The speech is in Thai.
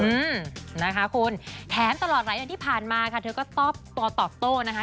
อืมนะคะคุณแถมตลอดหลายอันที่ผ่านมาค่ะเธอก็ตอบตัวตอบโต้นะคะ